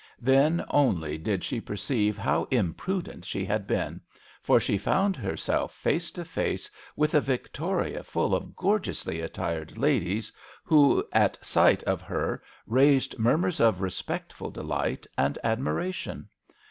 Then only did she perceive how impru dent she had been, for she found herself face to face with a victoria full of gorgeously attired ladies who at sight of her raised murmurs of respectful delight and admiration.